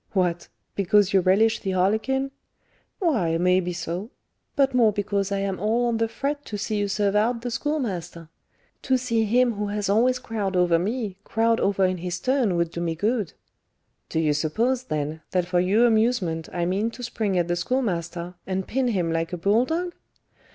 "What! because you relish the harlequin?" "Why, may be so; but more because I am all on the fret to see you 'serve out' the Schoolmaster. To see him who has always crowed over me, crowed over in his turn would do me good." "Do you suppose, then, that for your amusement I mean to spring at the Schoolmaster, and pin him like a bull dog?"